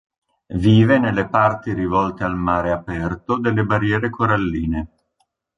Vive nelle parti rivolte al mare aperto delle barriere coralline.